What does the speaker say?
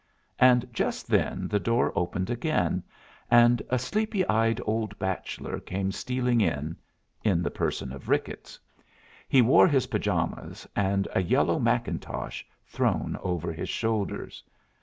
And just then the door opened again, and a sleepy eyed old bachelor came stealing in, in the person of Ricketts. He wore his pajamas, and a yellow mackintosh thrown over his shoulders.